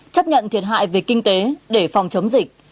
chấp nhận thiệt hại về kinh tế để phòng chống dịch